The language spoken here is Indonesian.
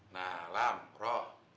nah lam roh